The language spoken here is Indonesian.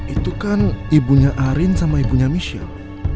itu kan ibunya arin sama ibunya michelle